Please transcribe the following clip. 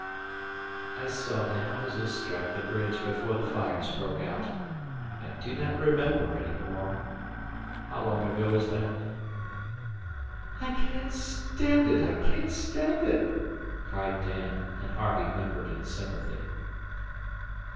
"I saw the houses strike the bridge before the fires broke out. I do not remember any more. How long ago is that?" "I can't stand it! I can't stand it!" cried Dan, and Harvey whimpered in sympathy.